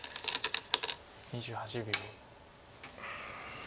２８秒。